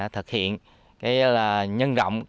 thực hiện nhân rộng